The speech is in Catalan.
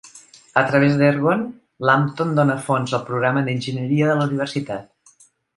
A través d'Ergon, Lampton dóna fons al programa d'enginyeria de la universitat.